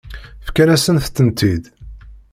Fkan-asent-tent-id.